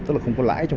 tức là không có lãi